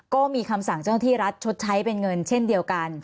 ก็มีคำสั่งเจ้าหน้าที่รัฐชดใช้เป็นเงินเช่นเดียวกัน